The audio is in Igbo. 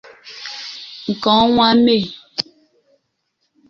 nke ọnwa Mee